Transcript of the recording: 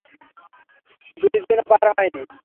দুইদিনও পার হয়নি!